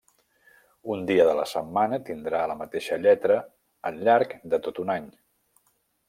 Un dia de la setmana tindrà la mateixa lletra al llarg de tot un any.